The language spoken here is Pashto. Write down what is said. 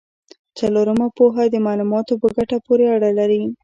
څلورمه پوهه د معلوماتو په ګټه پورې اړه لري.